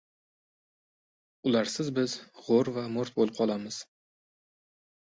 Ularsiz biz gʻoʻr va moʻrt boʻlib qolamiz.